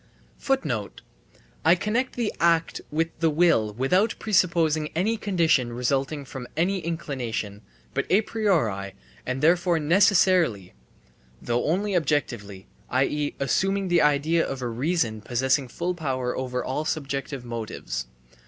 * I connect the act with the will without presupposing any condition resulting from any inclination, but a priori, and therefore necessarily (though only objectively, i.e., assuming the idea of a reason possessing full power over all subjective motives).